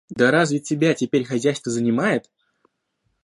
Да разве тебя теперь хозяйство занимает?